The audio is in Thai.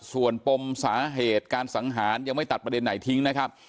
ส่วนปมสาเหตุการสังหารยังไม่ตัดประเด็นไหนทิ้งนะครับ